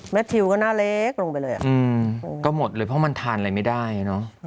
ทิวก็หน้าเล็กลงไปเลยก็หมดเลยเพราะมันทานอะไรไม่ได้เนอะ